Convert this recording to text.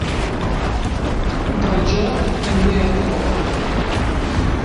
Del joc, en ve el foc.